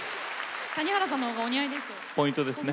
谷原さんのほうがお似合いですよ。